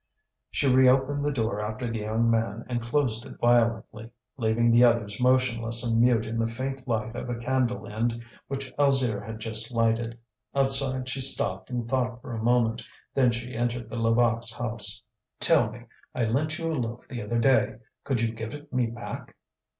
She reopened the door after the young man and closed it violently, leaving the others motionless and mute in the faint light of a candle end which Alzire had just lighted. Outside she stopped and thought for a moment. Then she entered the Levaque's house. "Tell me: I lent you a loaf the other day. Could you give it me back?"